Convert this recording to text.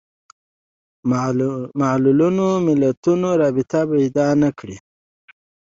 معلولونو علتونو رابطه پیدا نه کړي